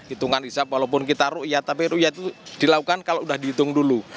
hitungan isap walaupun kita ruia tapi ruia itu dilakukan kalau sudah dihitung dulu